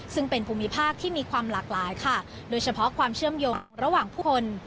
ซึ่งเป็นภูมิภาคที่มีความหลากหลายค่ะโดยเฉพาะความเชื่อมโยงระหว่างผู้คน